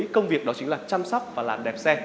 công việc đó chính là chăm sóc và làm đẹp xe